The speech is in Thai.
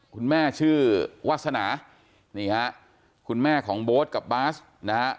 คุณแม่ชื่อวัฒนาคุณแม่ของโบ๊ทกับบ๊าสนะครับ